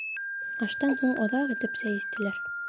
Аштан һуң оҙаҡ итеп сәй эстеләр.